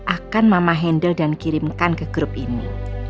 akan mama handle dan kirimkan ke grup ini